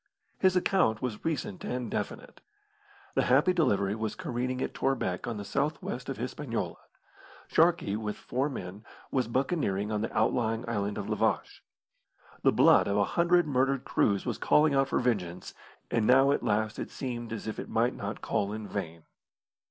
His account was recent and definite. The Happy Delivery was careening at Torbec on the south west of Hispaniola. Sharkey, with four men, was buccaneering on the outlying island of La Vache. The blood of a hundred murdered crews was calling out for vengeance, and now at last it seemed as if it might not call in vain.